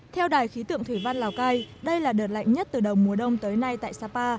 theo đài khí tượng thủy văn lào cai đây là đợt lạnh nhất từ đầu mùa đông tới nay tại sapa